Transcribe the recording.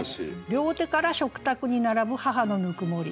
「両手から食卓に並ぶ母の温もり」。